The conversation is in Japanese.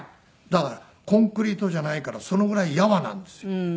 だからコンクリートじゃないからそのぐらいやわなんですよ。